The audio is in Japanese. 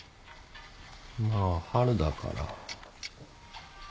まあ春だから。